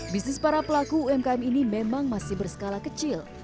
bisnis para pelaku umkm ini memang masih berskala kecil